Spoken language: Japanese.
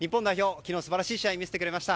昨日、素晴らしい試合を見せてくれました。